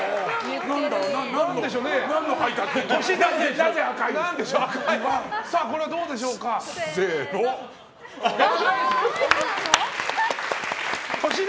何でしょうね？